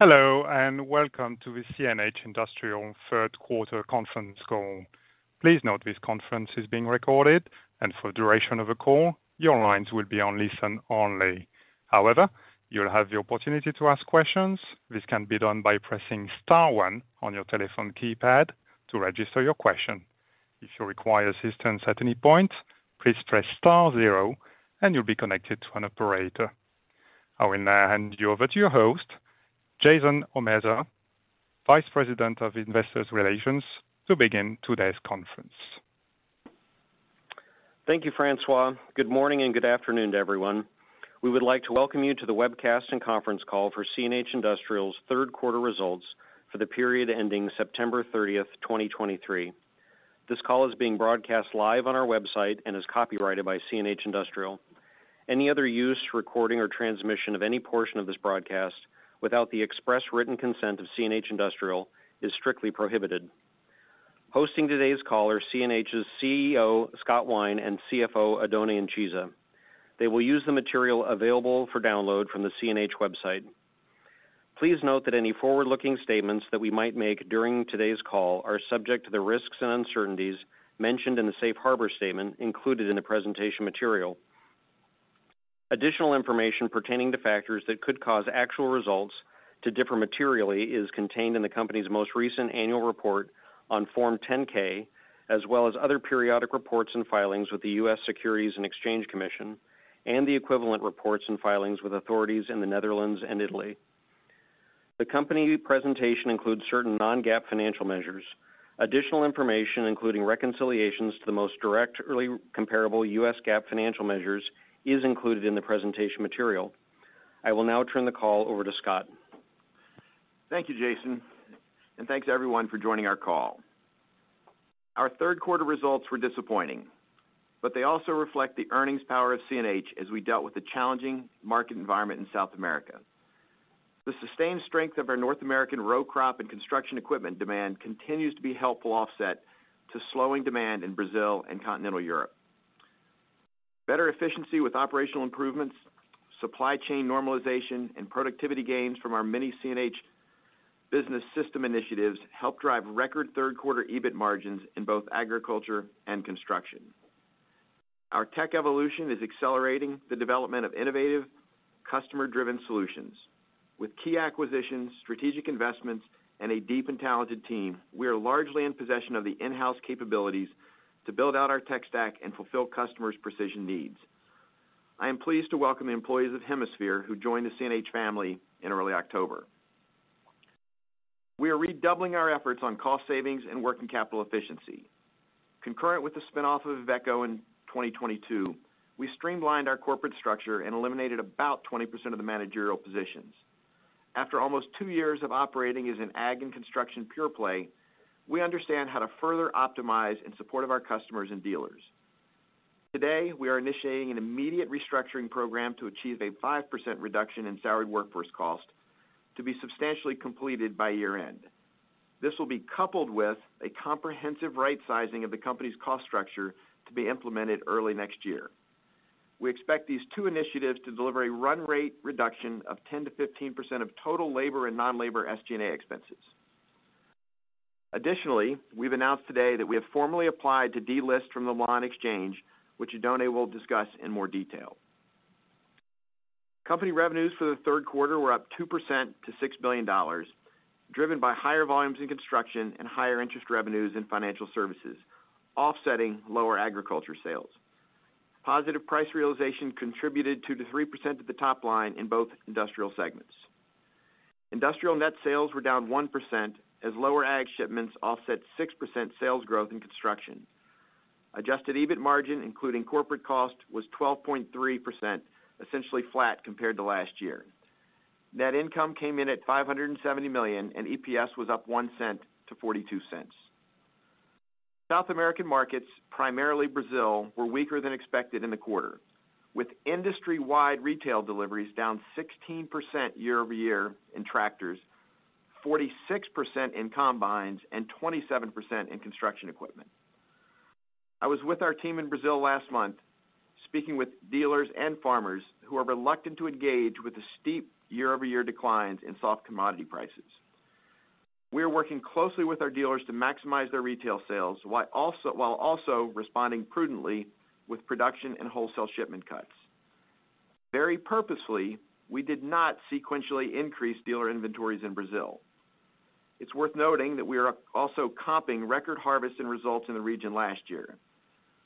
Hello, and welcome to the CNH Industrial third quarter conference call. Please note this conference is being recorded and for the duration of the call, your lines will be on listen only. However, you'll have the opportunity to ask questions. This can be done by pressing star one on your telephone keypad to register your question. If you require assistance at any point, please press star zero and you'll be connected to an operator. I will now hand you over to your host, Jason Omerza, Vice President of Investor Relations, to begin today's conference. Thank you, Francois. Good morning and good afternoon to everyone. We would like to welcome you to the webcast and conference call for CNH Industrial's third quarter results for the period ending September 30th, 2023. This call is being broadcast live on our website and is copyrighted by CNH Industrial. Any other use, recording, or transmission of any portion of this broadcast without the express written consent of CNH Industrial is strictly prohibited. Hosting today's call are CNH's CEO Scott Wine and CFO Oddone Incisa. They will use the material available for download from the CNH website. Please note that any forward-looking statements that we might make during today's call are subject to the risks and uncertainties mentioned in the Safe Harbor statement included in the presentation material. Additional information pertaining to factors that could cause actual results to differ materially is contained in the company's most recent annual report on Form 10-K, as well as other periodic reports and filings with the U.S. Securities and Exchange Commission, and the equivalent reports and filings with authorities in the Netherlands and Italy. The company presentation includes certain non-GAAP financial measures. Additional information, including reconciliations to the most directly comparable US GAAP financial measures, is included in the presentation material. I will now turn the call over to Scott. Thank you, Jason, and thanks to everyone for joining our call. Our third quarter results were disappointing, but they also reflect the earnings power of CNH as we dealt with the challenging market environment in South America. The sustained strength of our North American row crop and construction equipment demand continues to be helpful offset to slowing demand in Brazil and Continental Europe. Better efficiency with operational improvements, supply chain normalization, and productivity gains from our many CNH Business System initiatives helped drive record third quarter EBIT margins in both agriculture and construction. Our tech evolution is accelerating the development of innovative, customer-driven solutions. With key acquisitions, strategic investments, and a deep and talented team, we are largely in possession of the in-house capabilities to build out our tech stack and fulfill customers' precision needs. I am pleased to welcome the employees of Hemisphere, who joined the CNH family in early October. We are redoubling our efforts on cost savings and working capital efficiency. Concurrent with the spin-off of Iveco in 2022, we streamlined our corporate structure and eliminated about 20% of the managerial positions. After almost two years of operating as an ag and construction pure play, we understand how to further optimize in support of our customers and dealers. Today, we are initiating an immediate restructuring program to achieve a 5% reduction in salaried workforce cost to be substantially completed by year-end. This will be coupled with a comprehensive right sizing of the company's cost structure to be implemented early next year. We expect these two initiatives to deliver a run rate reduction of 10%-15% of total labor and non-labor SG&A expenses. Additionally, we've announced today that we have formally applied to delist from Euronext Milan, which Oddone will discuss in more detail. Company revenues for the third quarter were up 2% to $6 billion, driven by higher volumes in construction and higher interest revenues in financial services, offsetting lower agriculture sales. Positive price realization contributed 2%-3% of the top line in both industrial segments. Industrial net sales were down 1%, as lower ag shipments offset 6% sales growth in construction. Adjusted EBIT margin, including corporate cost, was 12.3%, essentially flat compared to last year. Net income came in at $570 million, and EPS was up $0.01-$0.42. South American markets, primarily Brazil, were weaker than expected in the quarter, with industry-wide retail deliveries down 16% year-over-year in tractors, 46% in combines, and 27% in construction equipment. I was with our team in Brazil last month, speaking with dealers and farmers who are reluctant to engage with the steep year-over-year declines in soft commodity prices. We are working closely with our dealers to maximize their retail sales, while also responding prudently with production and wholesale shipment cuts. Very purposefully, we did not sequentially increase dealer inventories in Brazil. It's worth noting that we are also comping record harvest and results in the region last year.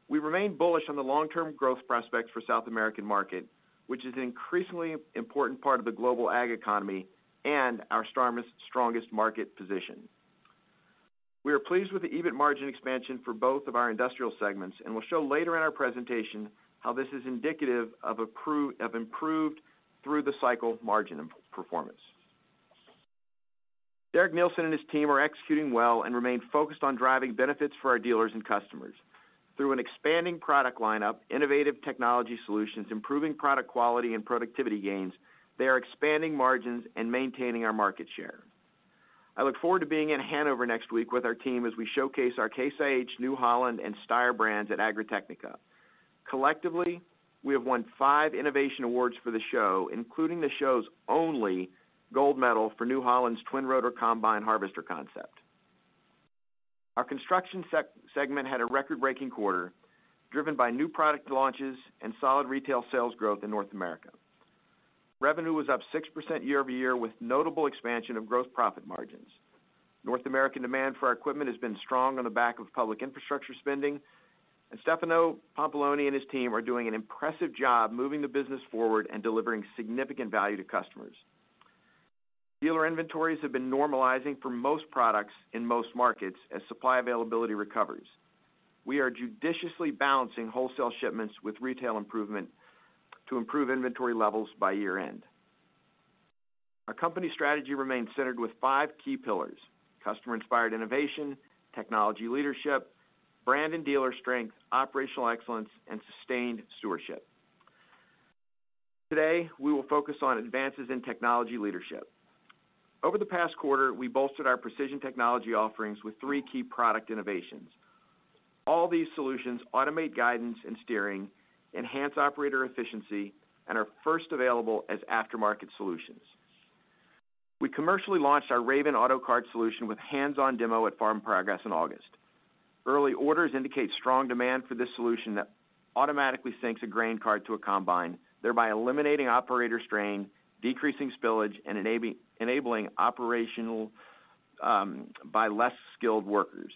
We remain bullish on the long-term growth prospects for South American market, which is an increasingly important part of the global ag economy and our strongest market position. We are pleased with the EBIT margin expansion for both of our industrial segments, and we'll show later in our presentation how this is indicative of improved through the cycle margin performance. Derek Neilson and his team are executing well and remain focused on driving benefits for our dealers and customers. Through an expanding product lineup, innovative technology solutions, improving product quality and productivity gains, they are expanding margins and maintaining our market share. I look forward to being in Hanover next week with our team as we showcase our Case IH, New Holland, and Steyr brands at Agritechnica. Collectively, we have won five innovation awards for the show, including the show's only gold medal for New Holland's Twin Rotor Combine Harvester concept. Our construction segment had a record-breaking quarter, driven by new product launches and solid retail sales growth in North America. Revenue was up 6% year-over-year, with notable expansion of gross profit margins. North American demand for our equipment has been strong on the back of public infrastructure spending, and Stefano Pampalone and his team are doing an impressive job moving the business forward and delivering significant value to customers. Dealer inventories have been normalizing for most products in most markets as supply availability recovers. We are judiciously balancing wholesale shipments with retail improvement to improve inventory levels by year-end. Our company strategy remains centered with five key pillars: customer-inspired innovation, technology leadership, brand and dealer strength, operational excellence, and sustained stewardship. Today, we will focus on advances in technology leadership. Over the past quarter, we bolstered our precision technology offerings with three key product innovations. All these solutions automate guidance and steering, enhance operator efficiency, and are first available as aftermarket solutions. We commercially launched our Raven AutoCart solution with hands-on demo at Farm Progress in August. Early orders indicate strong demand for this solution that automatically syncs a grain cart to a combine, thereby eliminating operator strain, decreasing spillage, and enabling operational by less skilled workers.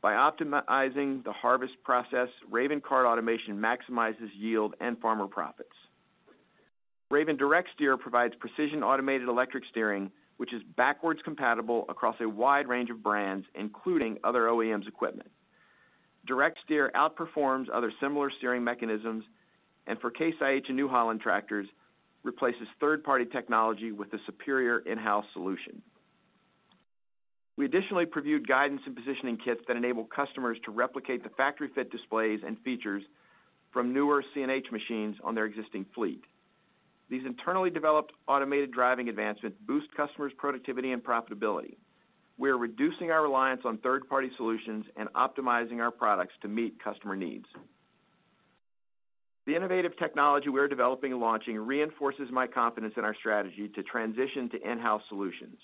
By optimizing the harvest process, Raven Cart Automation maximizes yield and farmer profits. Raven DirecSteer provides precision automated electric steering, which is backward compatible across a wide range of brands, including other OEMs equipment. DirecSteer outperforms other similar steering mechanisms, and for Case IH and New Holland tractors, replaces third-party technology with a superior in-house solution. We additionally previewed guidance and positioning kits that enable customers to replicate the factory fit displays and features from newer CNH machines on their existing fleet. These internally developed automated driving advancements boost customers' productivity and profitability. We are reducing our reliance on third-party solutions and optimizing our products to meet customer needs. The innovative technology we are developing and launching reinforces my confidence in our strategy to transition to in-house solutions.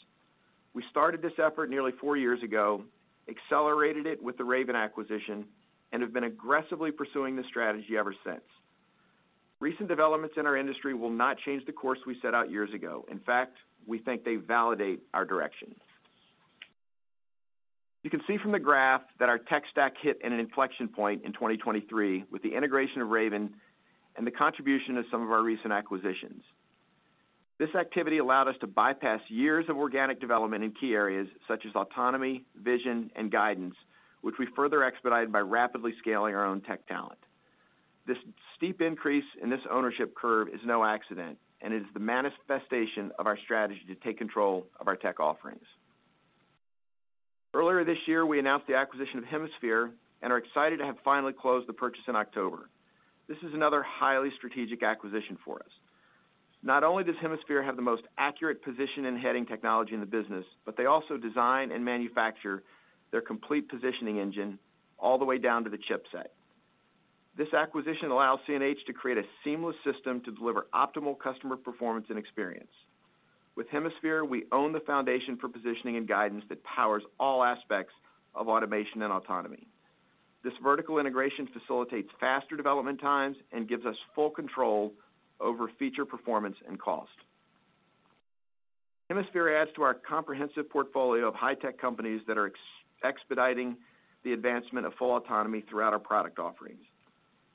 We started this effort nearly four years ago, accelerated it with the Raven acquisition, and have been aggressively pursuing this strategy ever since. Recent developments in our industry will not change the course we set out years ago. In fact, we think they validate our direction. You can see from the graph that our tech stack hit an inflection point in 2023 with the integration of Raven and the contribution of some of our recent acquisitions. This activity allowed us to bypass years of organic development in key areas such as autonomy, vision, and guidance, which we further expedited by rapidly scaling our own tech talent. This steep increase in this ownership curve is no accident, and it is the manifestation of our strategy to take control of our tech offerings. Earlier this year, we announced the acquisition of Hemisphere and are excited to have finally closed the purchase in October. This is another highly strategic acquisition for us. Not only does Hemisphere have the most accurate position and heading technology in the business, but they also design and manufacture their complete positioning engine all the way down to the chipset. This acquisition allows CNH to create a seamless system to deliver optimal customer performance and experience. With Hemisphere, we own the foundation for positioning and guidance that powers all aspects of automation and autonomy. This vertical integration facilitates faster development times and gives us full control over feature performance and cost. Hemisphere adds to our comprehensive portfolio of high-tech companies that are expediting the advancement of full autonomy throughout our product offerings.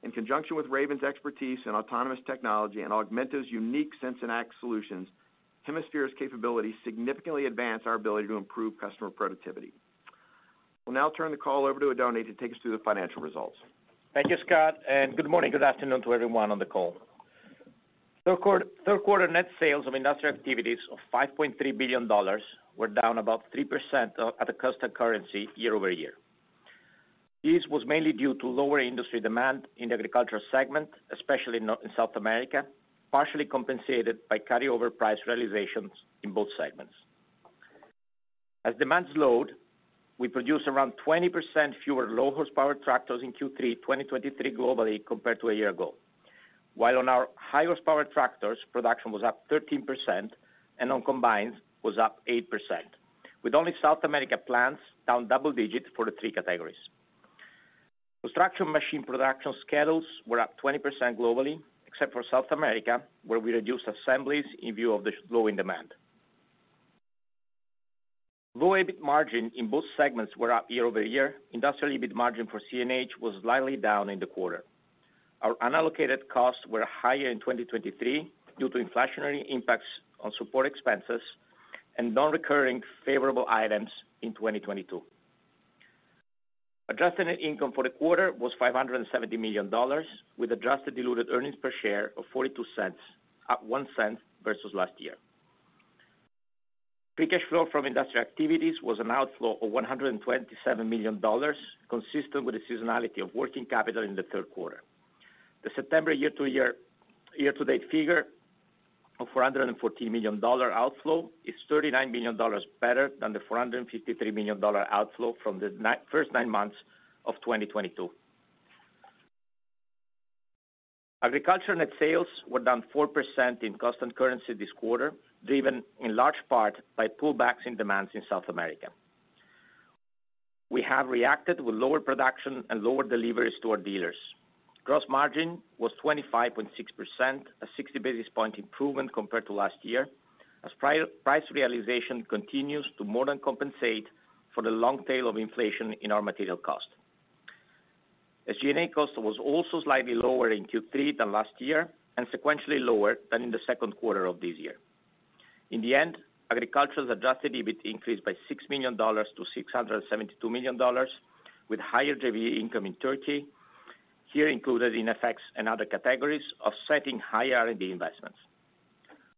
In conjunction with Raven's expertise in autonomous technology and Augmenta's unique Sense & Act solutions, Hemisphere's capabilities significantly advance our ability to improve customer productivity. We'll now turn the call over to Oddone to take us through the financial results. Thank you, Scott, and good morning, good afternoon to everyone on the call. Third quarter net sales of industrial activities of $5.3 billion were down about 3% at constant currency year-over-year. This was mainly due to lower industry demand in the agricultural segment, especially in North and South America, partially compensated by carryover price realizations in both segments. As demand slowed, we produce around 20% fewer low-horsepower tractors in Q3 2023 globally compared to a year ago. While on our high-horsepower tractors, production was up 13%, and on combines was up 8%, with only South America plants down double digits for the three categories. Construction machine production schedules were up 20% globally, except for South America, where we reduced assemblies in view of the slowing demand. All EBIT margins in both segments were up year-over-year. Industrial EBIT margin for CNH was slightly down in the quarter. Our unallocated costs were higher in 2023 due to inflationary impacts on support expenses and non-recurring favorable items in 2022. Adjusted net income for the quarter was $570 million, with adjusted diluted earnings per share of $0.42, up $0.01 versus last year. Free cash flow from industrial activities was an outflow of $127 million, consistent with the seasonality of working capital in the third quarter. The September year-to-year, year-to-date figure of $414 million outflow is $39 million better than the $453 million outflow from the first nine months of 2022. Agriculture net sales were down 4% in constant currency this quarter, driven in large part by pullbacks in demands in South America. We have reacted with lower production and lower deliveries to our dealers. Gross margin was 25.6%, a 60 basis point improvement compared to last year, as price realization continues to more than compensate for the long tail of inflation in our material cost. SG&A cost was also slightly lower in Q3 than last year, and sequentially lower than in the second quarter of this year. In the end, agriculture's adjusted EBIT increased by $6 million to $672 million, with higher JV income in Turkey, here included in effects and other, offsetting higher R&D investments.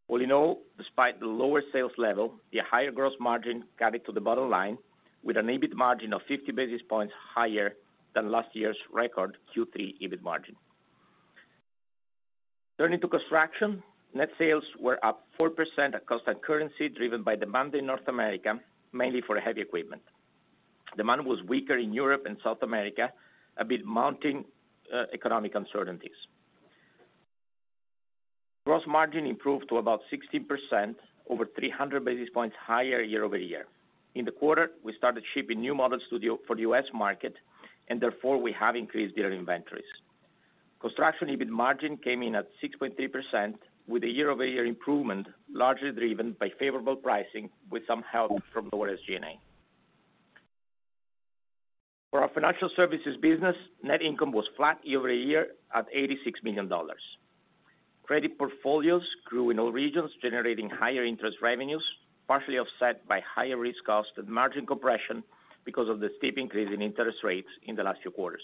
All in all, despite the lower sales level, the higher gross margin got it to the bottom line, with an EBIT margin of 50 basis points higher than last year's record Q3 EBIT margin. Turning to construction, net sales were up 4% at constant currency, driven by demand in North America, mainly for heavy equipment. Demand was weaker in Europe and South America, amid mounting economic uncertainties. Gross margin improved to about 60%, over 300 basis points higher year-over-year. In the quarter, we started shipping new models for the US market, and therefore we have increased dealer inventories. Construction EBIT margin came in at 6.3%, with a year-over-year improvement, largely driven by favorable pricing with some help from lower SG&A. For our financial services business, net income was flat year-over-year at $86 million. Credit portfolios grew in all regions, generating higher interest revenues, partially offset by higher risk cost and margin compression because of the steep increase in interest rates in the last few quarters.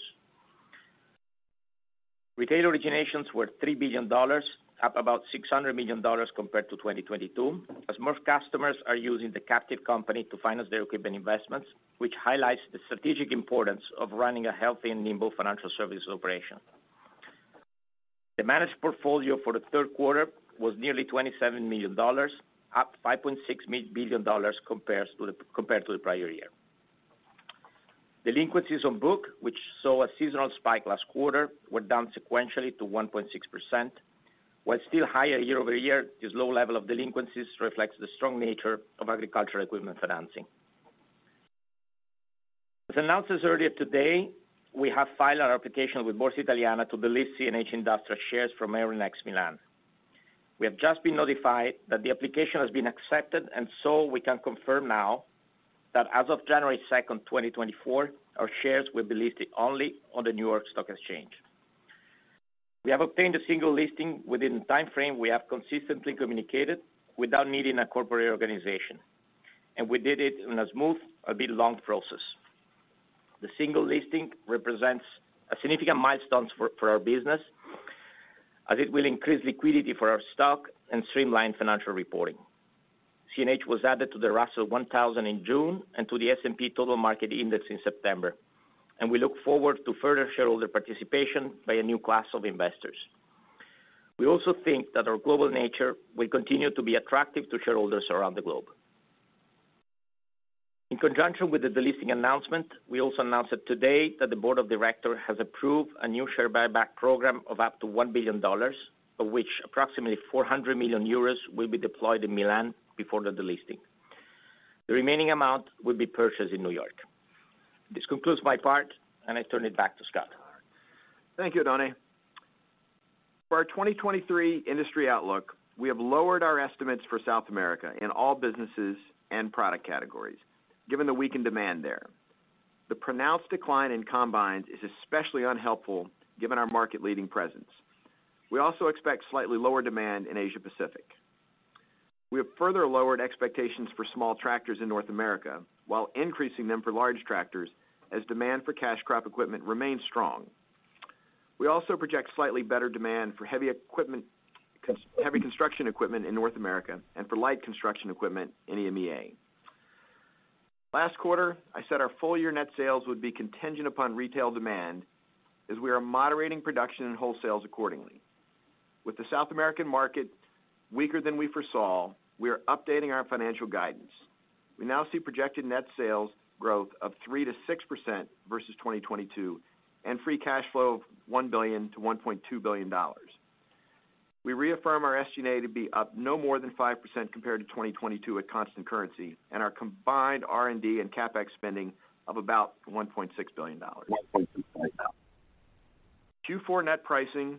Retail originations were $3 billion, up about $600 million compared to 2022, as more customers are using the captive company to finance their equipment investments, which highlights the strategic importance of running a healthy and nimble financial services operation. The managed portfolio for the third quarter was nearly $27 million, up $5.6 billion compared to the prior year. Delinquencies on book, which saw a seasonal spike last quarter, were down sequentially to 1.6%. While still higher year-over-year, this low level of delinquencies reflects the strong nature of agricultural equipment financing. As announced earlier today, we have filed our application with Borsa Italiana to delist CNH Industrial shares from Euronext Milan. We have just been notified that the application has been accepted, and so we can confirm now that as of January 2nd, 2024, our shares will be listed only on the New York Stock Exchange. We have obtained a single listing within the timeframe we have consistently communicated without needing a corporate organization, and we did it in a smooth, a bit long process. The single listing represents a significant milestone for our business, as it will increase liquidity for our stock and streamline financial reporting. CNH was added to the Russell 1000 in June and to the S&P Total Market Index in September, and we look forward to further shareholder participation by a new class of investors. We also think that our global nature will continue to be attractive to shareholders around the globe. In conjunction with the delisting announcement, we also announced that today the Board of Directors has approved a new share buyback program of up to $1 billion, of which approximately 400 million euros will be deployed in Milan before the delisting. The remaining amount will be purchased in New York. This concludes my part, and I turn it back to Scott. Thank you, Oddone. For our 2023 industry outlook, we have lowered our estimates for South America in all businesses and product categories, given the weakened demand there. The pronounced decline in combines is especially unhelpful given our market-leading presence. We also expect slightly lower demand in Asia Pacific. We have further lowered expectations for small tractors in North America, while increasing them for large tractors as demand for cash crop equipment remains strong. We also project slightly better demand for heavy construction equipment in North America and for light construction equipment in EMEA. Last quarter, I said our full year net sales would be contingent upon retail demand, as we are moderating production and wholesales accordingly. With the South American market weaker than we foresaw, we are updating our financial guidance. We now see projected net sales growth of 3%-6% versus 2022, and free cash flow of $1 billion to $1.2 billion. We reaffirm our SG&A to be up no more than 5% compared to 2022 at constant currency, and our combined R&D and CapEx spending of about $1.6 billion. Q4 net pricing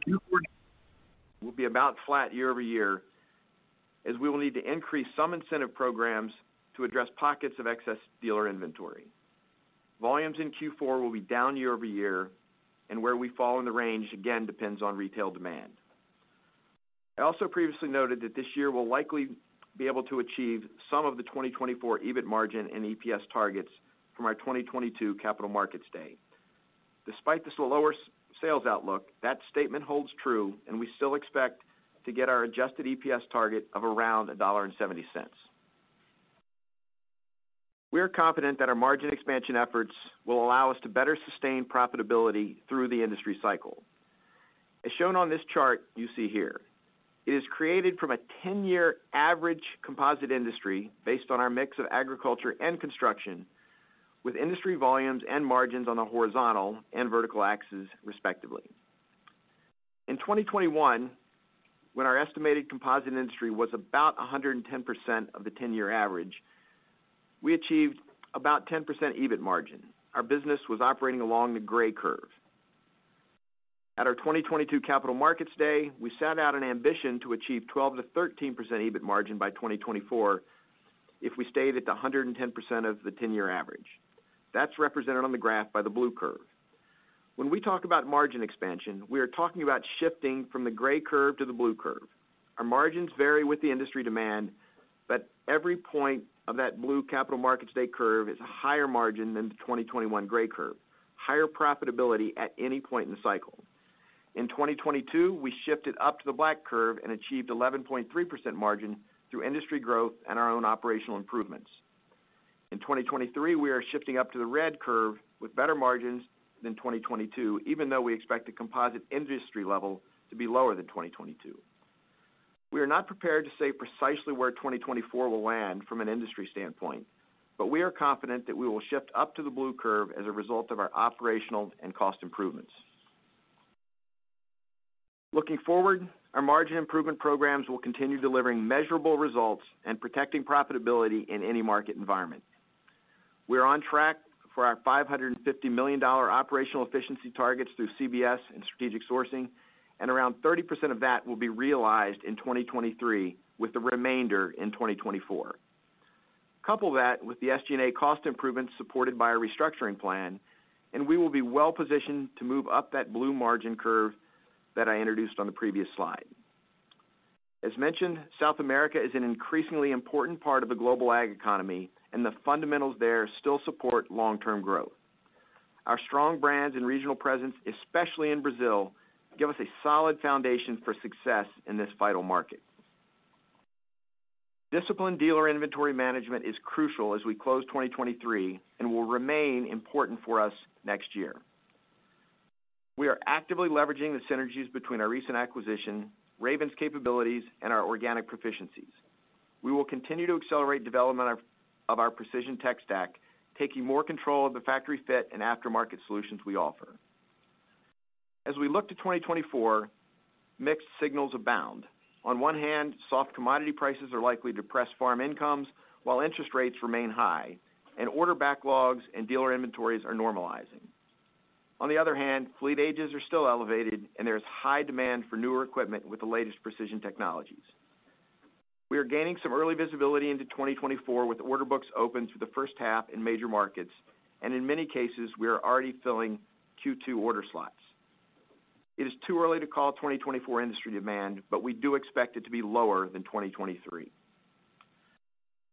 will be about flat year-over-year, as we will need to increase some incentive programs to address pockets of excess dealer inventory. Volumes in Q4 will be down year-over-year, and where we fall in the range again, depends on retail demand. I also previously noted that this year we'll likely be able to achieve some of the 2024 EBIT margin and EPS targets from our 2022 Capital Markets Day. Despite this lower sales outlook, that statement holds true, and we still expect to get our adjusted EPS target of around $1.70. We are confident that our margin expansion efforts will allow us to better sustain profitability through the industry cycle. As shown on this chart you see here, it is created from a 10-year average composite industry based on our mix of agriculture and construction, with industry volumes and margins on the horizontal and vertical axes, respectively. In 2021, when our estimated composite industry was about 110% of the 10-year average, we achieved about 10% EBIT margin. Our business was operating along the gray curve. At our 2022 Capital Markets Day, we set out an ambition to achieve 12%-13% EBIT margin by 2024 if we stayed at the 110% of the 10-year average. That's represented on the graph by the blue curve. When we talk about margin expansion, we are talking about shifting from the gray curve to the blue curve. Our margins vary with the industry demand, but every point of that blue Capital Markets Day curve is a higher margin than the 2021 gray curve. Higher profitability at any point in the cycle. In 2022, we shifted up to the black curve and achieved 11.3% margin through industry growth and our own operational improvements. In 2023, we are shifting up to the red curve with better margins than 2022, even though we expect the composite industry level to be lower than 2022. We are not prepared to say precisely where 2024 will land from an industry standpoint, but we are confident that we will shift up to the blue curve as a result of our operational and cost improvements. Looking forward, our margin improvement programs will continue delivering measurable results and protecting profitability in any market environment. We are on track for our $550 million operational efficiency targets through CBS and strategic sourcing, and around 30% of that will be realized in 2023, with the remainder in 2024. Couple that with the SG&A cost improvements supported by our restructuring plan, and we will be well positioned to move up that blue margin curve that I introduced on the previous slide. As mentioned, South America is an increasingly important part of the global ag economy, and the fundamentals there still support long-term growth. Our strong brands and regional presence, especially in Brazil, give us a solid foundation for success in this vital market. Disciplined dealer inventory management is crucial as we close 2023 and will remain important for us next year. We are actively leveraging the synergies between our recent acquisition, Raven's capabilities, and our organic proficiencies. We will continue to accelerate development of our precision tech stack, taking more control of the factory fit and aftermarket solutions we offer. As we look to 2024, mixed signals abound. On one hand, soft commodity prices are likely to depress farm incomes while interest rates remain high and order backlogs and dealer inventories are normalizing. On the other hand, fleet ages are still elevated, and there is high demand for newer equipment with the latest precision technologies. We are gaining some early visibility into 2024, with order books open for the first half in major markets, and in many cases, we are already filling Q2 order slots. It is too early to call 2024 industry demand, but we do expect it to be lower than 2023.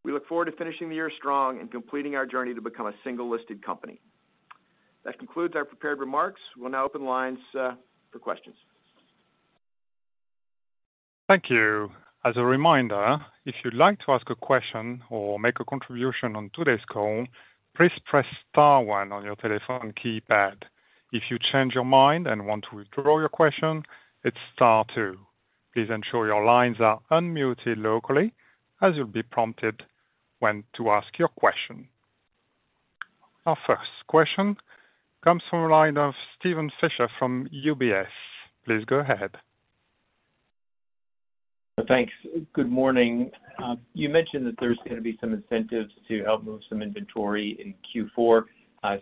We look forward to finishing the year strong and completing our journey to become a single-listed company. That concludes our prepared remarks. We'll now open lines for questions. Thank you. As a reminder, if you'd like to ask a question or make a contribution on today's call, please press star one on your telephone keypad. If you change your mind and want to withdraw your question, it's star two. Please ensure your lines are unmuted locally as you'll be prompted when to ask your question. Our first question comes from the line of Steven Fisher from UBS. Please go ahead. Thanks. Good morning. You mentioned that there's going to be some incentives to help move some inventory in Q4.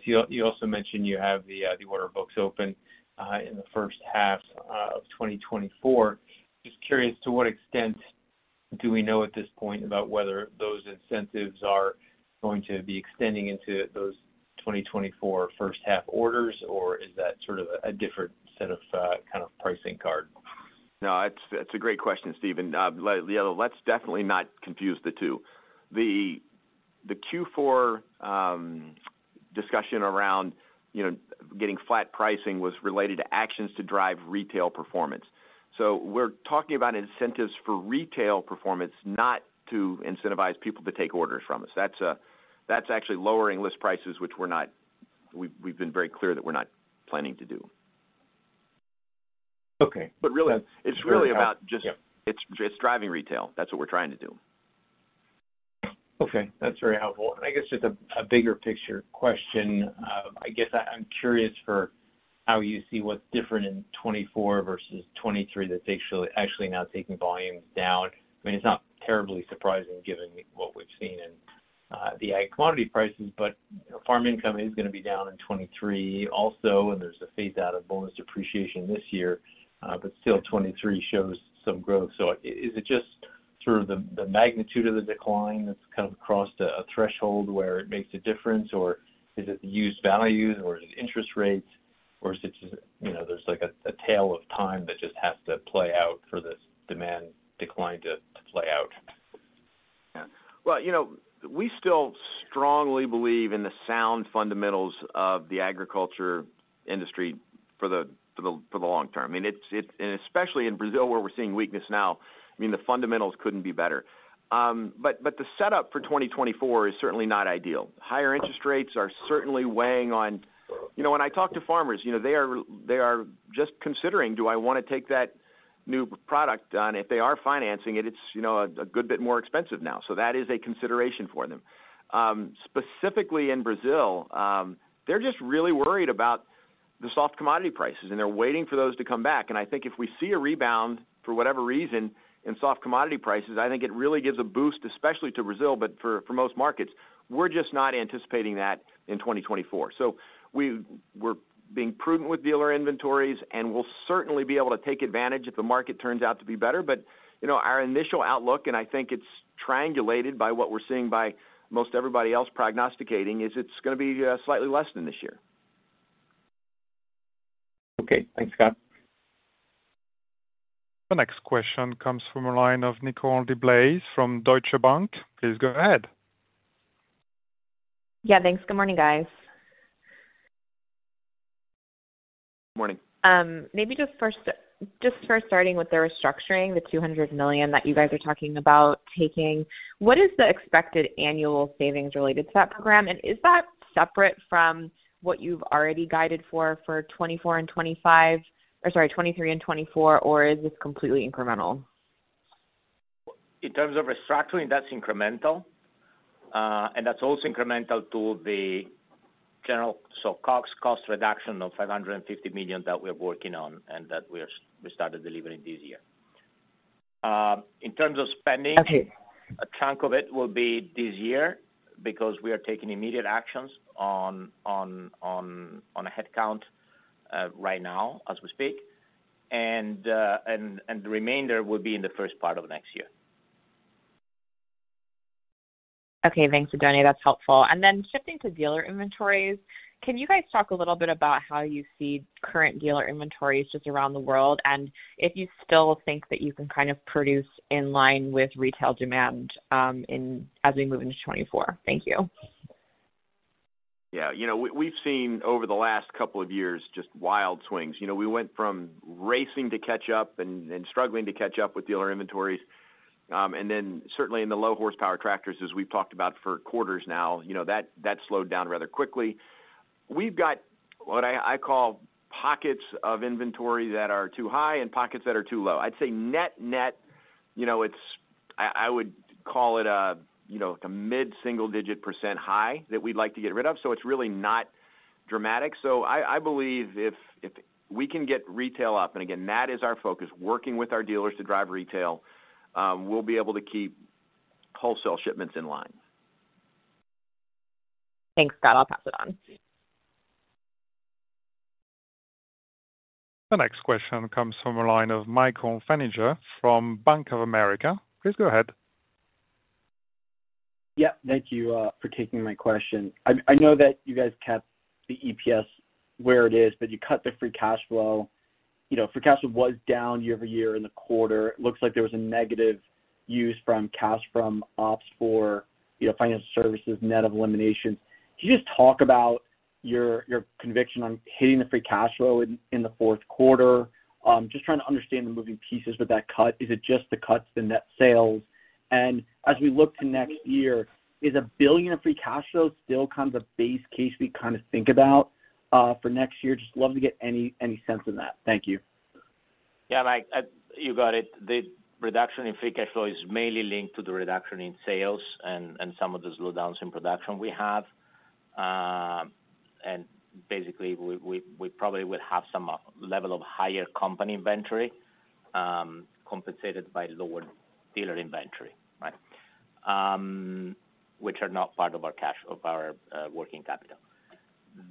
You also mentioned you have the order books open in the first half of 2024. Just curious, to what extent do we know at this point about whether those incentives are going to be extending into those 2024 first half orders? Or is that sort of a different set of kind of pricing card? No, it's a great question, Steven. Let's definitely not confuse the two. The Q4 discussion around, you know, getting flat pricing was related to actions to drive retail performance. So we're talking about incentives for retail performance, not to incentivize people to take orders from us. That's actually lowering list prices, which we're not. We've been very clear that we're not planning to do. Okay. Really, it's really about just- Yeah. It's driving retail. That's what we're trying to do. Okay, that's very helpful. I guess just a bigger picture question. I guess I'm curious for how you see what's different in 2024 versus 2023, that's actually now taking volumes down. I mean, it's not terribly surprising given what we've seen in the ag commodity prices, but farm income is going to be down in 2023 also, and there's a fade out of bonus depreciation this year. But still 2023 shows some growth. So is it just sort of the magnitude of the decline that's kind of crossed a threshold where it makes a difference, or is it the used values, or is it interest rates, or is it just, you know, there's like a tale of time that just has to play out for this demand decline to play out? Yeah. Well, you know, we still strongly believe in the sound fundamentals of the agriculture industry for the long term. I mean, it's and especially in Brazil, where we're seeing weakness now. I mean, the fundamentals couldn't be better. But the setup for 2024 is certainly not ideal. Higher interest rates are certainly weighing on. You know, when I talk to farmers, you know, they are just considering, do I wanna take that new product on? If they are financing it, it's, you know, a good bit more expensive now. So that is a consideration for them. Specifically in Brazil, they're just really worried about the soft commodity prices, and they're waiting for those to come back. And I think if we see a rebound, for whatever reason, in soft commodity prices, I think it really gives a boost, especially to Brazil, but for most markets. We're just not anticipating that in 2024. So we're being prudent with dealer inventories, and we'll certainly be able to take advantage if the market turns out to be better. But, you know, our initial outlook, and I think it's triangulated by what we're seeing by most everybody else prognosticating, is it's gonna be slightly less than this year. Okay. Thanks, Scott. The next question comes from a line of Nicole DeBlase from Deutsche Bank. Please go ahead. Yeah, thanks. Good morning, guys. Morning. Maybe just starting with the restructuring, the $200 million that you guys are talking about taking. What is the expected annual savings related to that program, and is that separate from what you've already guided for, for 2024 and 2025, or sorry, 2023 and 2024, or is this completely incremental? In terms of restructuring, that's incremental. And that's also incremental to the general, so core cost reduction of $550 million that we're working on and that we started delivering this year. In terms of spending- Okay. A chunk of it will be this year because we are taking immediate actions on a headcount right now as we speak, and the remainder will be in the first part of next year. Okay, thanks, Oddone. That's helpful. And then shifting to dealer inventories, can you guys talk a little bit about how you see current dealer inventories just around the world, and if you still think that you can kind of produce in line with retail demand, as we move into 2024? Thank you. Yeah. You know, we, we've seen over the last couple of years, just wild swings. You know, we went from racing to catch up and struggling to catch up with dealer inventories. And then certainly in the low horsepower tractors, as we've talked about for quarters now, you know, that slowed down rather quickly. We've got what I call pockets of inventory that are too high and pockets that are too low. I'd say net, you know, it's- I would call it a, you know, like a mid-single-digit % high that we'd like to get rid of, so it's really not dramatic. So I believe if we can get retail up, and again, that is our focus, working with our dealers to drive retail, we'll be able to keep wholesale shipments in line. Thanks, Scott. I'll pass it on. The next question comes from a line of Michael Feniger from Bank of America. Please go ahead. Yeah. Thank you for taking my question. I know that you guys kept the EPS where it is, but you cut the free cash flow. You know, free cash flow was down year-over-year in the quarter. It looks like there was a negative use from cash from ops for, you know, financial services, net of elimination. Can you just talk about your conviction on hitting the free cash flow in the fourth quarter? Just trying to understand the moving pieces with that cut. Is it just the cuts, the net sales? And as we look to next year, is $1 billion in free cash flow still kind of the base case we kind of think about for next year? Just love to get any sense of that. Thank you. Yeah, Mike, you got it. The reduction in free cash flow is mainly linked to the reduction in sales and some of the slowdowns in production we have. And basically, we probably will have some level of higher company inventory, compensated by lower dealer inventory, right? Which are not part of our cash, of our working capital.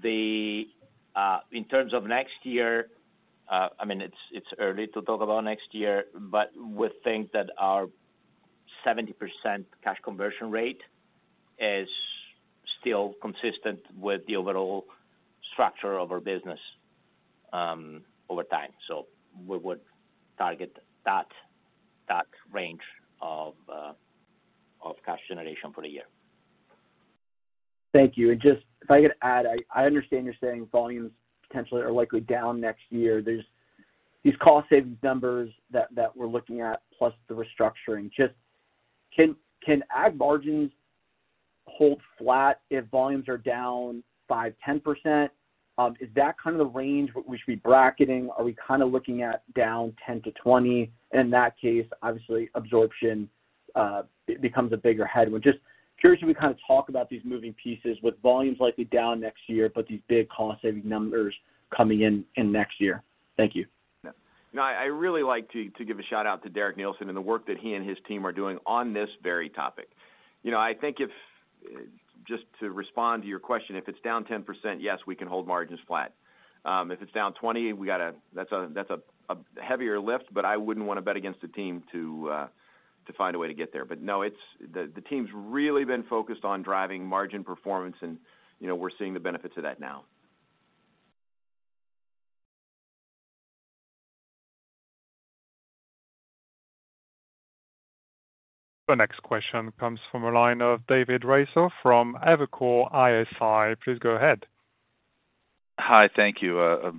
In terms of next year, I mean, it's early to talk about next year, but we think that our 70% cash conversion rate is still consistent with the overall structure of our business, over time. So we would target that range of cash generation for the year. Thank you. Just if I could add, I understand you're saying volumes potentially are likely down next year. There's these cost savings numbers that we're looking at, plus the restructuring. Just can ag margins hold flat if volumes are down 5%-10%? Is that kind of the range we should be bracketing? Are we kind of looking at down 10%-20%? And in that case, obviously absorption becomes a bigger headwind. Just curious if you can kind of talk about these moving pieces with volumes likely down next year, but these big cost-saving numbers coming in next year. Thank you. No, I really like to give a shout-out to Derek Neilson and the work that he and his team are doing on this very topic. You know, I think just to respond to your question, if it's down 10%, yes, we can hold margins flat. If it's down 20, we got to—that's a heavier lift, but I wouldn't want to bet against the team to find a way to get there. But no, it's... The team's really been focused on driving margin performance, and, you know, we're seeing the benefits of that now. The next question comes from the line of David Raso from Evercore ISI. Please go ahead. Hi, thank you. A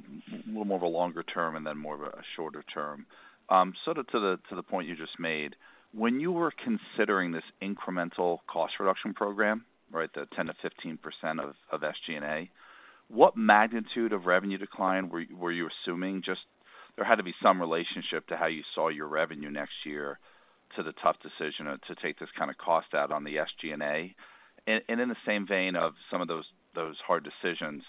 little more of a longer term and then more of a shorter term. So to the point you just made, when you were considering this incremental cost reduction program, right, the 10%-15% of SG&A, what magnitude of revenue decline were you assuming? Just there had to be some relationship to how you saw your revenue next year to the tough decision to take this kind of cost out on the SG&A. And in the same vein of some of those hard decisions,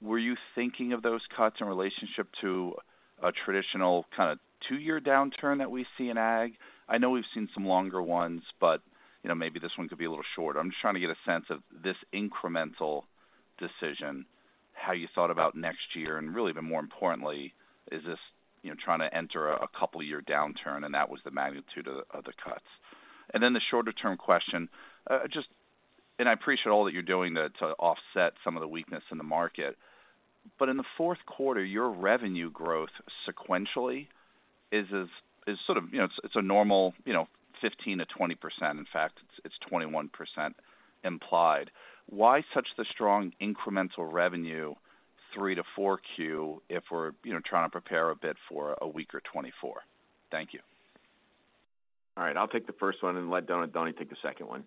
were you thinking of those cuts in relationship to a traditional kind of two-year downturn that we see in Ag? I know we've seen some longer ones, but you know, maybe this one could be a little shorter. I'm just trying to get a sense of this incremental decision, how you thought about next year, and really, even more importantly, is this, you know, trying to enter a couple of year downturn, and that was the magnitude of the cuts. And then the shorter term question. Just, and I appreciate all that you're doing to offset some of the weakness in the market. But in the fourth quarter, your revenue growth sequentially is sort of, you know, it's a normal, you know, 15%-20%. In fact, it's 21% implied. Why such the strong incremental revenue, Q3 to Q4, if we're, you know, trying to prepare a bit for a weaker 2024? Thank you. All right, I'll take the first one and let Don, Oddone take the second one.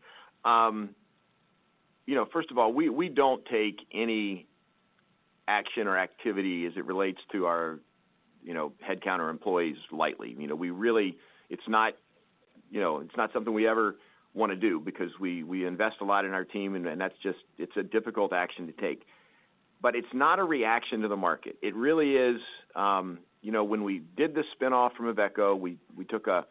You know, first of all, we don't take any action or activity as it relates to our, you know, headcount or employees lightly. You know, we really—it's not, you know, it's not something we ever want to do because we invest a lot in our team, and that's just, it's a difficult action to take. But it's not a reaction to the market. It really is, you know, when we did the spin-off from Iveco, we took a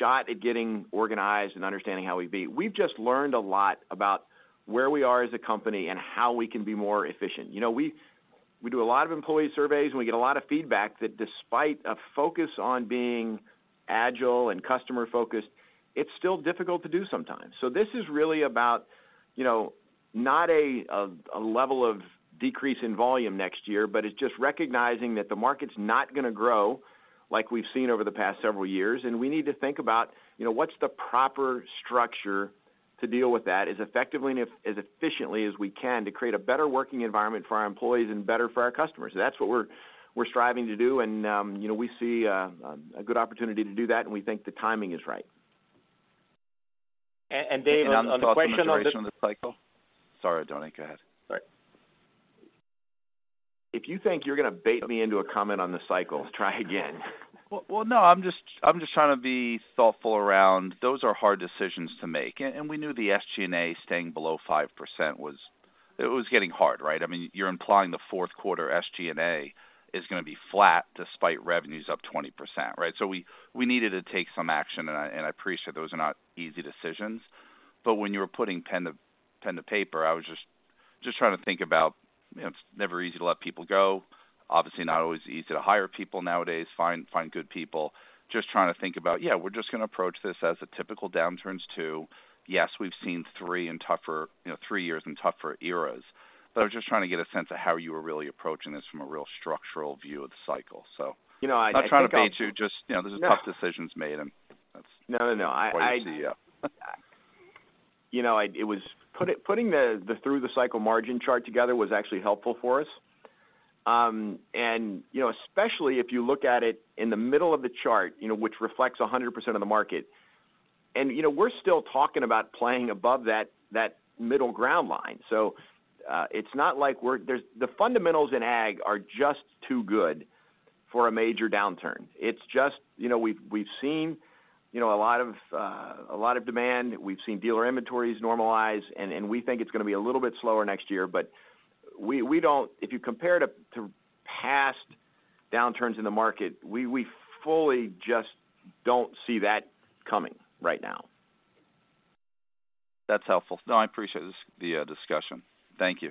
shot at getting organized and understanding how we be. We've just learned a lot about where we are as a company and how we can be more efficient. You know, we do a lot of employee surveys, and we get a lot of feedback that despite a focus on being agile and customer-focused, it's still difficult to do sometimes. So this is really about, you know, not a level of decrease in volume next year, but it's just recognizing that the market's not going to grow like we've seen over the past several years, and we need to think about, you know, what's the proper structure to deal with that as effectively and as efficiently as we can to create a better working environment for our employees and better for our customers. So that's what we're striving to do. And you know, we see a good opportunity to do that, and we think the timing is right. And, Dave, on the question on the- Sorry, Donnie, go ahead. Sorry. If you think you're going to bait me into a comment on the cycle, try again. Well, well, no, I'm just, I'm just trying to be thoughtful around... Those are hard decisions to make, and, and we knew the SG&A staying below 5% was, it was getting hard, right? I mean, you're implying the fourth quarter SG&A is going to be flat despite revenues up 20%, right? So we, we needed to take some action, and I, and I appreciate those are not easy decisions. But when you were putting pen to, pen to paper, I was just, just trying to think about, you know, it's never easy to let people go. Obviously, not always easy to hire people nowadays, find, find good people. Just trying to think about, yeah, we're just going to approach this as a typical downturns too. Yes, we've seen three in tougher, you know, three years in tougher eras. But I was just trying to get a sense of how you were really approaching this from a real structural view of the cycle. So- You know, Not trying to bait you. Just, you know, there's tough decisions made, and that's- No, no, no. I- What I see, yeah. You know, it was putting the through the cycle margin chart together was actually helpful for us. And, you know, especially if you look at it in the middle of the chart, you know, which reflects 100% of the market. And, you know, we're still talking about playing above that middle ground line. So, it's not like we're. There's the fundamentals in Ag are just too good for a major downturn. It's just, you know, we've seen a lot of demand. We've seen dealer inventories normalize, and we think it's going to be a little bit slower next year, but we don't. If you compare to past downturns in the market, we fully just don't see that coming right now. That's helpful. No, I appreciate this, the, discussion. Thank you.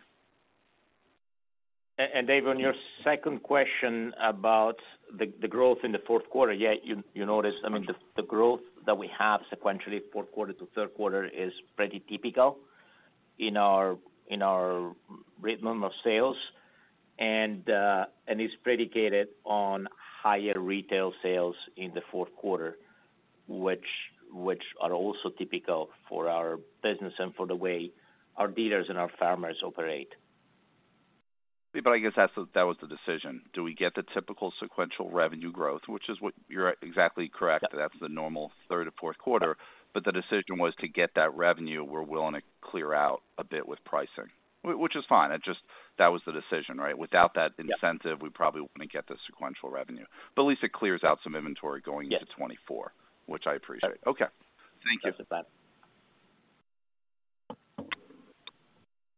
And, Dave, on your second question about the growth in the fourth quarter. Yeah, you noticed, I mean, the growth that we have sequentially, fourth quarter to third quarter, is pretty typical in our rhythm of sales, and it's predicated on higher retail sales in the fourth quarter, which are also typical for our business and for the way our dealers and our farmers operate. But I guess that's, that was the decision. Do we get the typical sequential revenue growth, which is what...? You're exactly correct. Yeah. That's the normal third or fourth quarter. Yeah. But the decision was to get that revenue. We're willing to clear out a bit with pricing, which is fine. That was the decision, right? Yeah. Without that incentive, we probably wouldn't get the sequential revenue, but at least it clears out some inventory going- Yes. into 2024, which I appreciate. Right. Okay. Thank you. Thanks for that.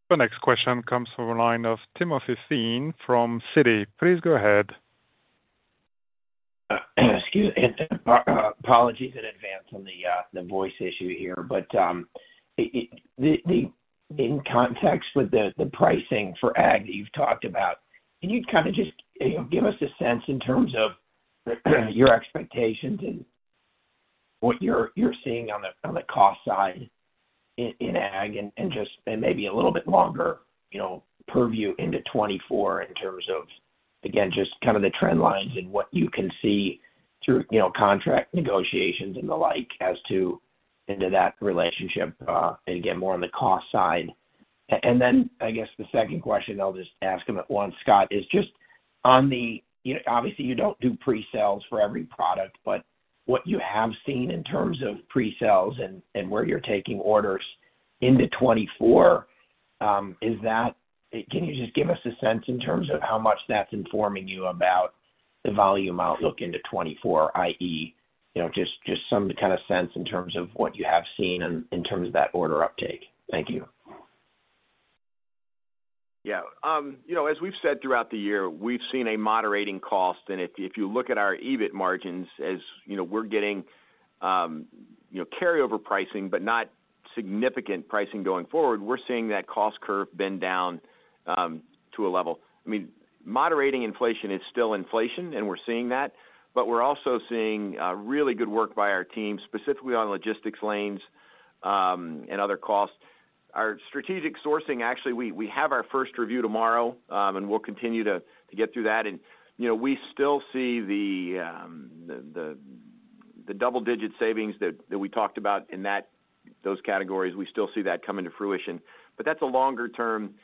The next question comes from the line of Timothy Thein from Citi. Please go ahead. Excuse me, apologies in advance on the voice issue here, but in context with the pricing for Ag that you've talked about, can you kind of just, you know, give us a sense in terms of your expectations and what you're seeing on the cost side? In ag and just and maybe a little bit longer, you know, purview into 2024 in terms of, again, just kind of the trend lines and what you can see through, you know, contract negotiations and the like as to into that relationship, and again, more on the cost side. And then I guess the second question, I'll just ask them at once, Scott, is just on the, you know, obviously you don't do pre-sales for every product, but what you have seen in terms of pre-sales and where you're taking orders into 2024, is that... Can you just give us a sense in terms of how much that's informing you about the volume outlook into 2024, i.e., you know, just some kind of sense in terms of what you have seen in terms of that order uptake? Thank you. Yeah. You know, as we've said throughout the year, we've seen a moderating cost. And if you look at our EBIT margins, as you know, we're getting, you know, carryover pricing, but not significant pricing going forward, we're seeing that cost curve bend down, to a level. I mean, moderating inflation is still inflation, and we're seeing that, but we're also seeing, really good work by our team, specifically on logistics lanes, and other costs. Our strategic sourcing, actually, we have our first review tomorrow, and we'll continue to get through that. And, you know, we still see the double-digit savings that we talked about in that, those categories. We still see that coming to fruition. But that's a longer-term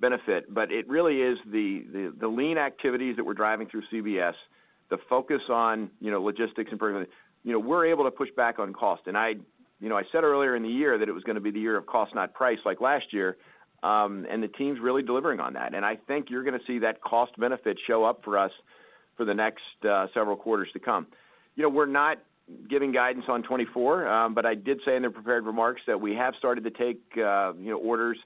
benefit. But it really is the lean activities that we're driving through CBS, the focus on, you know, logistics and improvement. You know, we're able to push back on cost. And I, you know, I said earlier in the year that it was gonna be the year of cost, not price, like last year. And the team's really delivering on that. And I think you're gonna see that cost benefit show up for us for the next several quarters to come. You know, we're not giving guidance on 2024, but I did say in the prepared remarks that we have started to take, you know, orders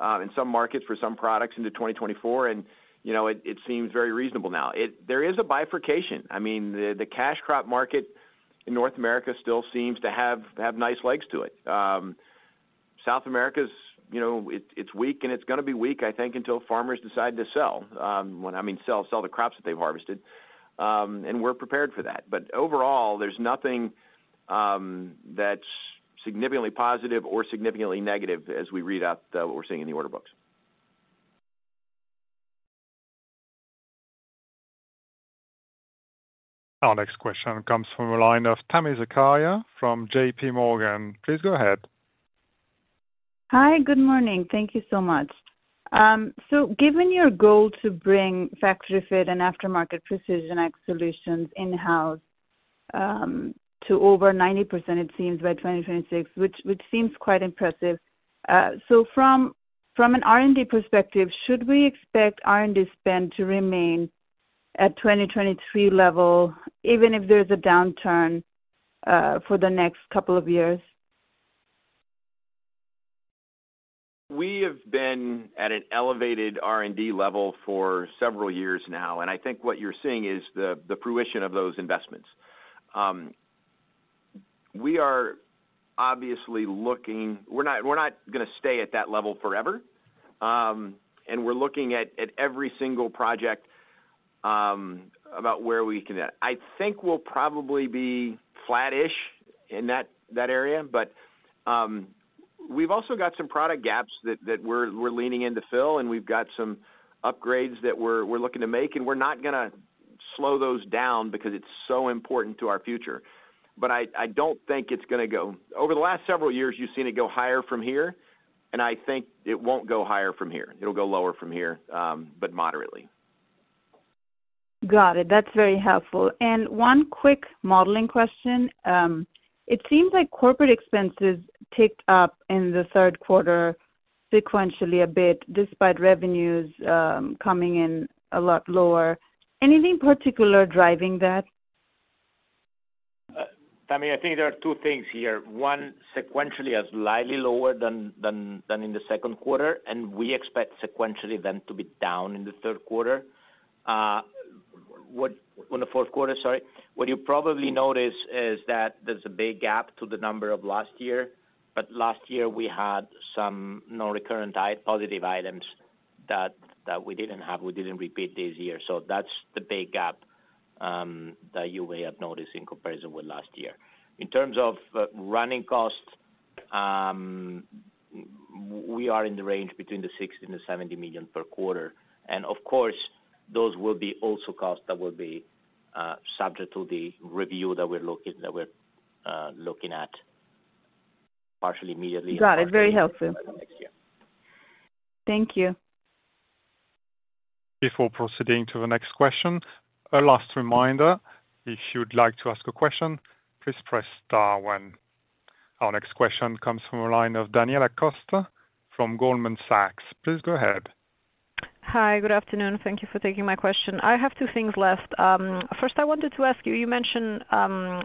in some markets for some products into 2024, and, you know, it seems very reasonable now. It—There is a bifurcation. I mean, the cash crop market in North America still seems to have nice legs to it. South America's, you know, it's weak, and it's gonna be weak, I think, until farmers decide to sell the crops that they've harvested. And we're prepared for that. But overall, there's nothing that's significantly positive or significantly negative as we read out what we're seeing in the order books. Our next question comes from the line of Tami Zakaria from JPMorgan. Please go ahead. Hi, good morning. Thank you so much. So given your goal to bring factory fit and aftermarket precision ag solutions in-house, to over 90%, it seems, by 2026, which seems quite impressive. So from an R&D perspective, should we expect R&D spend to remain at 2023 level, even if there's a downturn, for the next couple of years? We have been at an elevated R&D level for several years now, and I think what you're seeing is the fruition of those investments. We are obviously looking. We're not gonna stay at that level forever, and we're looking at every single project about where we can at. I think we'll probably be flattish in that area, but we've also got some product gaps that we're leaning in to fill, and we've got some upgrades that we're looking to make, and we're not gonna slow those down because it's so important to our future. But I don't think it's gonna go. Over the last several years, you've seen it go higher from here, and I think it won't go higher from here. It'll go lower from here, but moderately. Got it. That's very helpful. And one quick modeling question: It seems like corporate expenses ticked up in the third quarter sequentially a bit, despite revenues coming in a lot lower. Anything particular driving that? Tami, I think there are two things here. One, sequentially it's slightly lower than in the second quarter, and we expect sequentially then to be down in the third quarter. On the fourth quarter, sorry. What you probably notice is that there's a big gap to the number of last year, but last year we had some non-recurrent positive items that we didn't have, we didn't repeat this year. So that's the big gap that you may have noticed in comparison with last year. In terms of running costs, we are in the range between $60 million and $70 million per quarter, and of course, those will be also costs that will be subject to the review that we're looking at, partially immediately- Got it. Very helpful. -next year. Thank you. Before proceeding to the next question, a last reminder, if you'd like to ask a question, please press star one. Our next question comes from a line of Daniela Costa from Goldman Sachs. Please go ahead. Hi, good afternoon. Thank you for taking my question. I have two things left. First, I wanted to ask you, you mentioned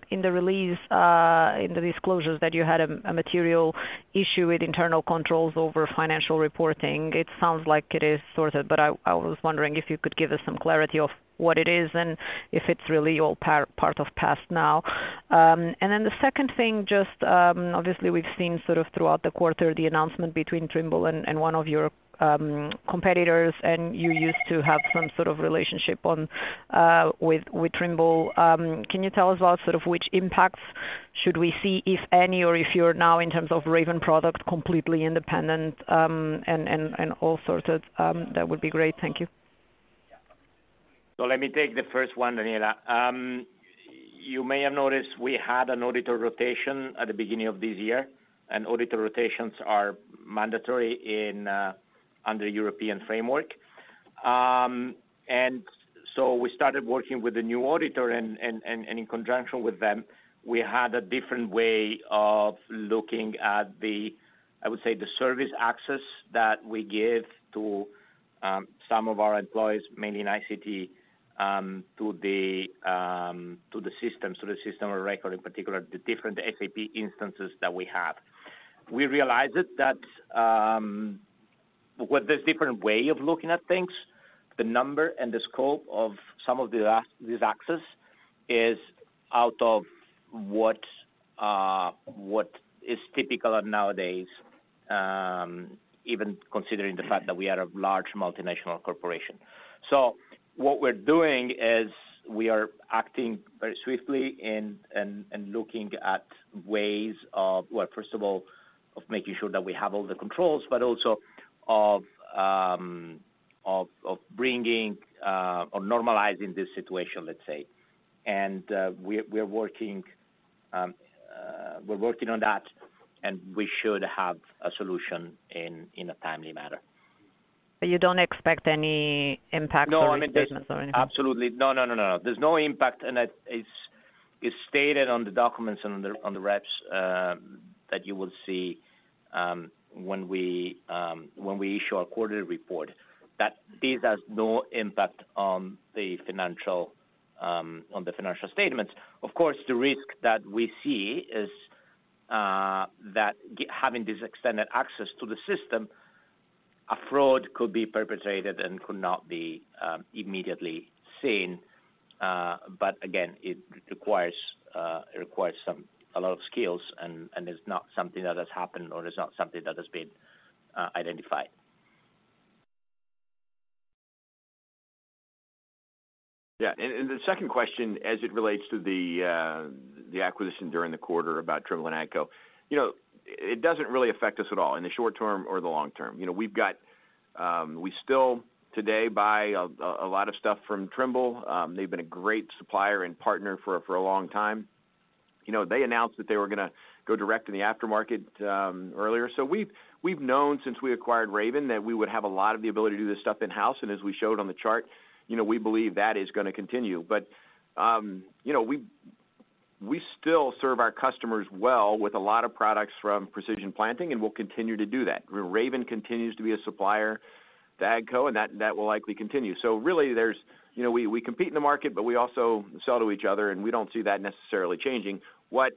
in the release, in the disclosures, that you had a material issue with internal controls over financial reporting. It sounds like it is sorted, but I was wondering if you could give us some clarity of what it is and if it's really all part of past now. And then the second thing, just, obviously, we've seen sort of throughout the quarter, the announcement between Trimble and one of your competitors, and you used to have some sort of relationship on with Trimble. Can you tell us about sort of which impacts should we see if any, or if you're now in terms of Raven products completely independent, and all sorts of that would be great? Thank you. So let me take the first one, Daniela. You may have noticed we had an auditor rotation at the beginning of this year, and auditor rotations are mandatory under European framework. And so we started working with a new auditor and in conjunction with them, we had a different way of looking at the, I would say, the service access that we give to some of our employees, mainly in ICT, to the system of record, in particular, the different SAP instances that we have. We realized that with this different way of looking at things, the number and the scope of some of the this access is out of what is typical nowadays, even considering the fact that we are a large multinational corporation. So what we're doing is we are acting very swiftly and looking at ways of, well, first of all, making sure that we have all the controls, but also of bringing or normalizing this situation, let's say. And we're working on that, and we should have a solution in a timely manner. But you don't expect any impact on the business or anything? Absolutely. No, no, no, no, no. There's no impact, and it's stated on the documents and on the reps that you will see when we issue our quarterly report, that this has no impact on the financial statements. Of course, the risk that we see is that having this extended access to the system, a fraud could be perpetrated and could not be immediately seen. But again, it requires a lot of skills, and it's not something that has happened, or it's not something that has been identified. Yeah. And the second question, as it relates to the acquisition during the quarter about Trimble and AGCO, you know, it doesn't really affect us at all, in the short term or the long term. You know, we've got, we still today buy a lot of stuff from Trimble. They've been a great supplier and partner for a long time. You know, they announced that they were gonna go direct in the aftermarket earlier. So we've known since we acquired Raven, that we would have a lot of the ability to do this stuff in-house. And as we showed on the chart, you know, we believe that is gonna continue. But, you know, we still serve our customers well with a lot of products from Precision Planting, and we'll continue to do that. Raven continues to be a supplier to AGCO, and that will likely continue. So really, there's, you know, we compete in the market, but we also sell to each other, and we don't see that necessarily changing. What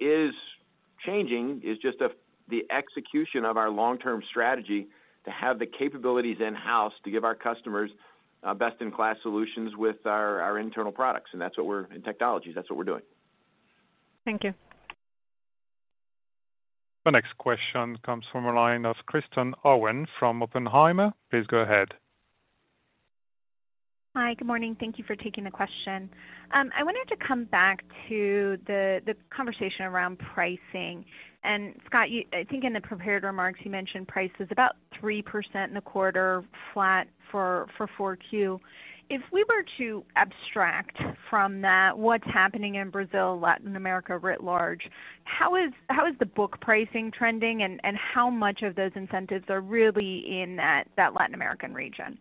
is changing is just the execution of our long-term strategy to have the capabilities in-house to give our customers best-in-class solutions with our internal products, and that's what we're doing in technologies. Thank you. The next question comes from the line of Kristen Owen from Oppenheimer. Please go ahead. Hi, good morning. Thank you for taking the question. I wanted to come back to the conversation around pricing. And Scott, you, I think in the prepared remarks, you mentioned prices about 3% in the quarter, flat for 4Q. If we were to abstract from that, what's happening in Brazil, Latin America, writ large, how is the book pricing trending, and how much of those incentives are really in that Latin American region?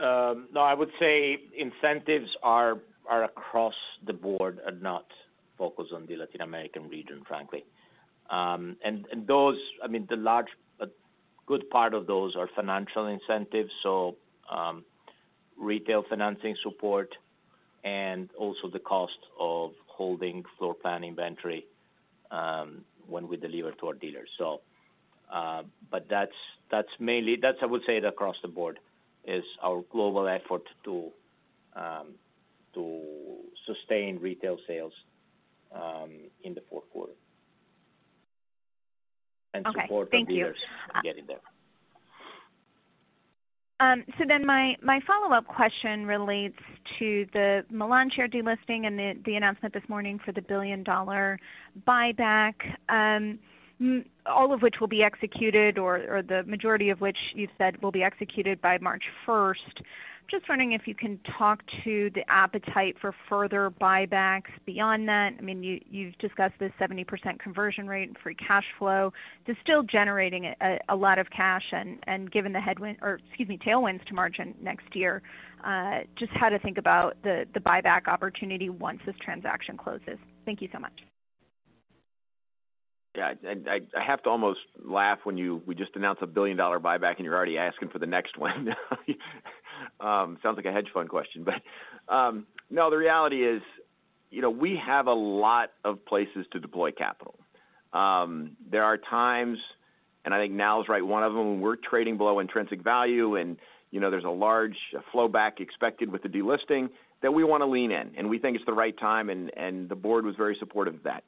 No, I would say incentives are across the board and not focused on the Latin American region, frankly. And those—I mean, the large, a good part of those are financial incentives, so retail financing support and also the cost of holding floor plan inventory when we deliver to our dealers. But that's mainly—that's, I would say that across the board is our global effort to sustain retail sales in the fourth quarter. Okay, thank you. Support our dealers in getting there. So then my follow-up question relates to the Milan share delisting and the announcement this morning for the billion-dollar buyback. All of which will be executed, or the majority of which you said will be executed by March 1st. Just wondering if you can talk to the appetite for further buybacks beyond that? I mean, you've discussed the 70% conversion rate and free cash flow. This is still generating a lot of cash, and given the headwind, or excuse me, tailwinds to margin next year, just how to think about the buyback opportunity once this transaction closes. Thank you so much. Yeah, and I have to almost laugh when you-- we just announced a $1 billion buyback, and you're already asking for the next one. Sounds like a hedge fund question, but no, the reality is, you know, we have a lot of places to deploy capital. There are times, and I think now is right, one of them, we're trading below intrinsic value, and you know, there's a large flow back expected with the delisting that we want to lean in, and we think it's the right time, and the board was very supportive of that.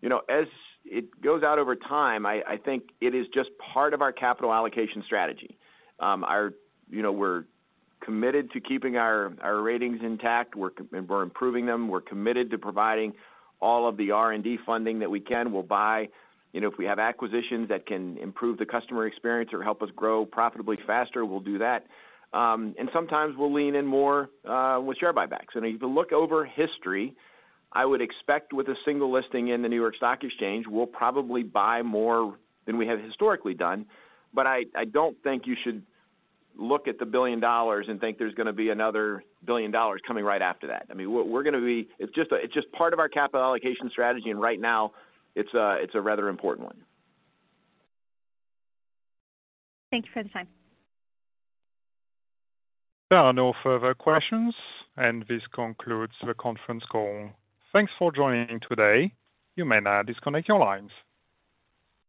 You know, as it goes out over time, I think it is just part of our capital allocation strategy. Our, you know, we're committed to keeping our ratings intact. We're improving them. We're committed to providing all of the R&D funding that we can. We'll buy, you know, if we have acquisitions that can improve the customer experience or help us grow profitably faster, we'll do that. And sometimes we'll lean in more with share buybacks. If you look over history, I would expect with a single listing in the New York Stock Exchange, we'll probably buy more than we have historically done. But I, I don't think you should look at the $1 billion and think there's gonna be another $1 billion coming right after that. I mean, we're, we're gonna be... It's just, it's just part of our capital allocation strategy, and right now it's a rather important one. Thank you for the time. There are no further questions, and this concludes the conference call. Thanks for joining today. You may now disconnect your lines.